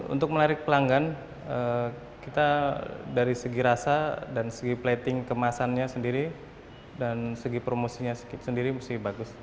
untuk menarik pelanggan kita dari segi rasa dan segi plating kemasannya sendiri dan segi promosinya sendiri mesti bagus